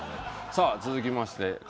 さあ続きまして川谷Ｐ。